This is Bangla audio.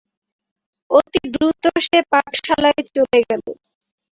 অতি দ্রুত সে পাঠশালায় চলে গেল।